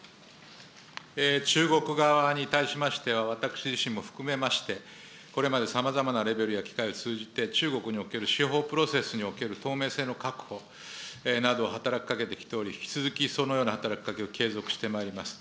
中国側に対しましては、私自身も含めまして、これまでさまざまなレベルや機会を通じて、中国における司法プロセスにおける透明性の確保など働きかけており、引き続きそのような働きかけを継続してまいります。